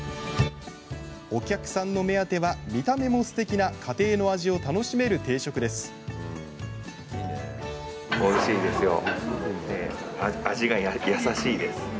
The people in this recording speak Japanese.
お客さんの目当ては見た目もすてきな家庭の味を楽しめる定食です。